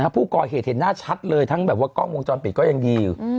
ผู้ก่อเหตุเห็นหน้าชัดเลยทั้งแบบว่ากล้องวงจรปิดก็ยังดีอยู่